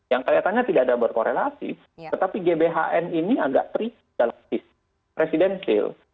yang kelihatannya tidak ada berkorelasi tetapi gbhn ini agak kritis dalam presidensil